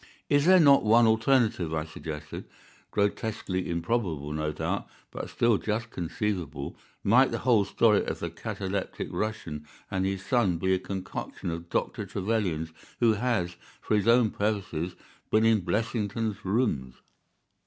"Is there not one alternative," I suggested, "grotesquely improbable, no doubt, but still just conceivable? Might the whole story of the cataleptic Russian and his son be a concoction of Dr. Trevelyan's, who has, for his own purposes, been in Blessington's rooms?"